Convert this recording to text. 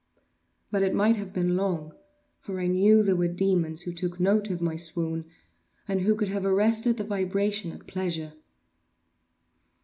But it might have been long; for I knew there were demons who took note of my swoon, and who could have arrested the vibration at pleasure.